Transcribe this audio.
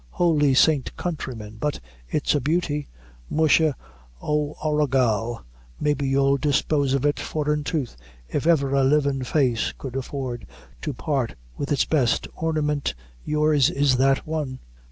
Holy St. Countryman, but it's a beauty. Musha, a Ora Gal, maybe you'll dispose of it, for, in troth, if ever a face livin' could afford to part with its best ornament, your's is that one."